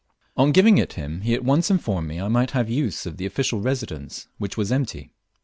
On giving it him, he at once informed me I might have the use of the official residence which was empty.